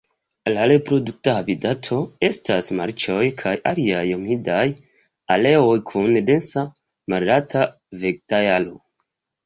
La reprodukta habitato estas marĉoj kaj aliaj humidaj areoj kun densa malalta vegetaĵaro.